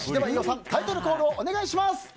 飯尾さん、タイトルコールをお願いします。